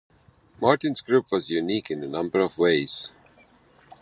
Martin's group was unique in a number of ways.